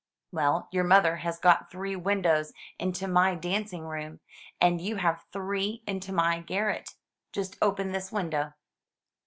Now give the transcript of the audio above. "Well, your mother has got three windows into my danc ing room, and you have three into my garret. Just open this window."